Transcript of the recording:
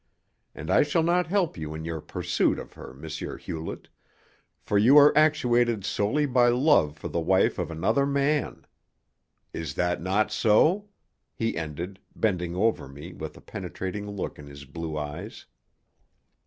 And I shall not help you in your pursuit of her, M. Hewlett, for you are actuated solely by love for the wife of another man. Is that not so?" he ended, bending over me with a penetrating look in his blue eyes.